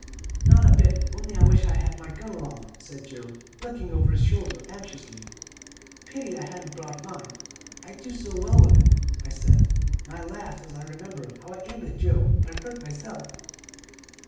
"'Not a bit, only I wish I had my gun along,' said Joe, looking over his shoulder anxiously. "'Pity I hadn't brought mine I do so well with it,' I said, and I laughed as I remembered how I aimed at Joe and hurt myself.